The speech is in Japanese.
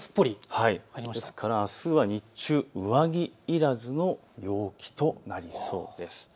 ですからあすは日中、上着いらずの陽気となりそうです。